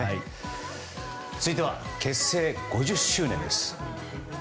続いては結成５０周年です。